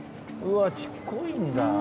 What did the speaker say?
うわっちっこいんだ。